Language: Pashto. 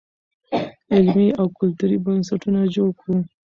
علمي او کلتوري بنسټونه جوړ کړو.